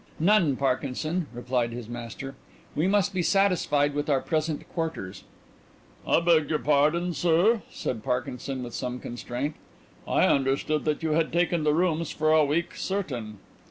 "None, Parkinson," replied his master. "We must be satisfied with our present quarters." "I beg your pardon, sir," said Parkinson, with some constraint. "I understood that you had taken the rooms for a week certain."